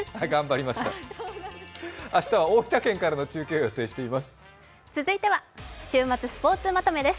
明日は大分県からの中継を予定しています。